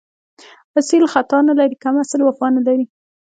اصیل خطا نه لري، کم اصل وفا نه لري